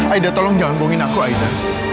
aida tolong jangan bohongin aku aida